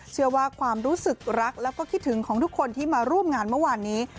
ความรู้สึกรักแล้วก็คิดถึงของทุกคนที่มาร่วมงานเมื่อวานนี้